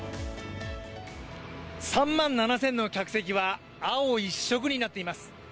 ３万７０００の客席は青一色になっています。